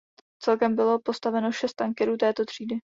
Celkem bylo postaveno šest tankerů této třídy.